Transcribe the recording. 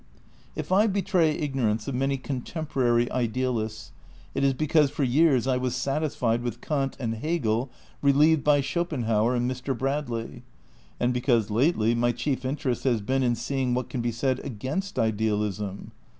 If I betray ignorance of many contemporary idealists, it is because for years I was satisfied with Kant and Hegel relieved by Schopenhauer and Mr. Bradley, and because, lately, my chief interest has been in seeing what can be said against idealism.